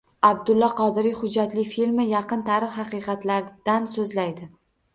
«Abdulla Qodiriy» hujjatli filmi yaqin tarix haqiqatlaridan so‘zlaydi